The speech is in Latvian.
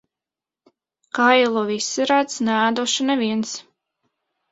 Kailu visi redz, neēdušu neviens.